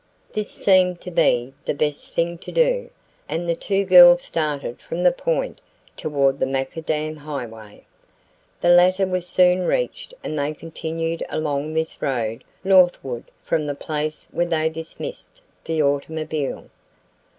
This seemed to be the best thing to do, and the two girls started from the Point toward the macadam highway. The latter was soon reached and they continued along this road northward from the place where they dismissed the automobile.